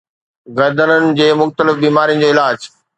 گردئن جي مختلف بيمارين جو علاج